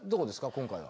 今回は。